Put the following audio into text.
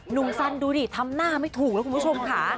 สันดูดิทำหน้าไม่ถูกแล้วคุณผู้ชมค่ะ